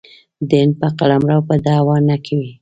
د هند په قلمرو به دعوه نه کوي.